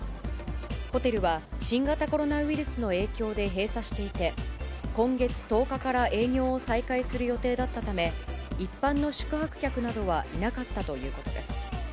ホテルは新型コロナウイルスの影響で閉鎖していて、今月１０日から営業を再開する予定だったため、一般の宿泊客などはいなかったということです。